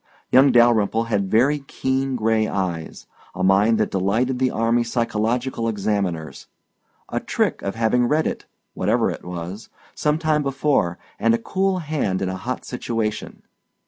Young Dalyrimple had very keen gray eyes, a mind that delighted the army psychological examiners, a trick of having read it whatever it was some time before, and a cool hand in a hot situation.